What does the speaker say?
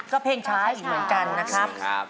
ก็เพลงช้าอีกเหมือนกันนะครับ